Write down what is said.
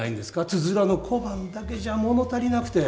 つづらの小判だけじゃもの足りなくて。